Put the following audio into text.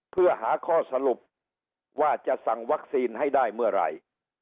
เพื่อหาข้อสรุปว่าจะสั่งวัคซีนให้ได้เมื่อไหร่